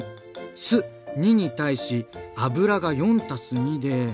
酢２に対し油が４たす２で。